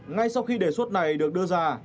ngay sau khi đề xuất này được đưa ra